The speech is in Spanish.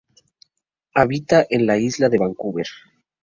Habita en la Isla de Vancouver.